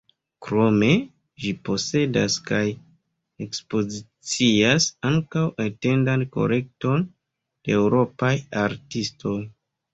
Krome ĝi posedas kaj ekspozicias ankaŭ etendan kolekton de eŭropaj artistoj.